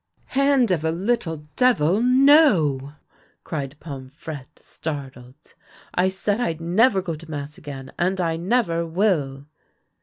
" Hand of a little devil, no !" cried Pomfrette, startled. " I said I'd never go to mass again, and I never will."